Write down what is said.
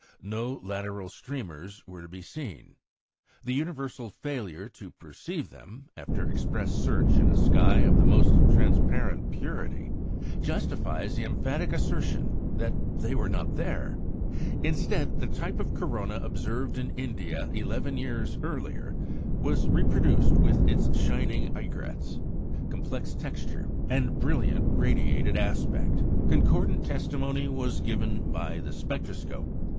No lateral streamers were to be seen. The universal failure to perceive them, after express search in a sky of the most transparent purity, justifies the emphatic assertion that they were not there. Instead, the type of corona observed in India eleven years earlier, was reproduced with its shining aigrettes, complex texture and brilliant radiated aspect. Concordant testimony was given by the spectroscope.